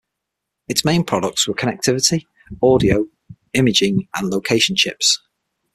Its main products were connectivity, audio, imaging and location chips.